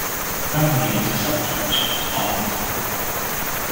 Rambouillet is a sub-prefecture of the department.